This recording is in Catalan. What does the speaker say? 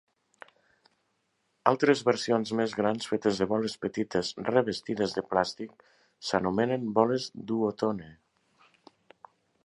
Altres, versions més grans fetes de boles petites revestides de plàstic, s'anomenen boles Duotone.